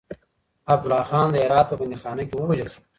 عبدالله خان د هرات په بنديخانه کې ووژل شو.